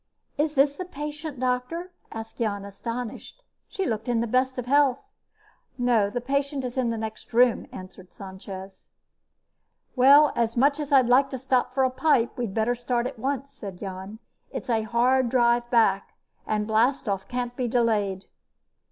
"Is this the patient, Doctor?" asked Jan, astonished. She looked in the best of health. "No, the patient is in the next room," answered Sanchez. "Well, as much as I'd like to stop for a pipe, we'd better start at once," said Jan. "It's a hard drive back, and blastoff can't be delayed."